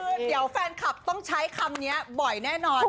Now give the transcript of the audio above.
คือเดี๋ยวแฟนคลับต้องใช้คำนี้บ่อยแน่นอน